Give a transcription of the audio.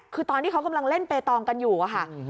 คือตอนที่เขากำลังเล่นเปตองกันอยู่อะค่ะ